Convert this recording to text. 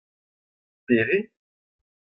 Pere ?